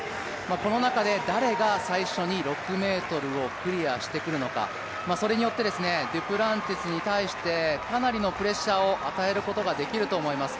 この中で誰が最初に６ｍをクリアしてくるのか、それによってデュプランティスに対してかなりのプレッシャーを与えることができると思います。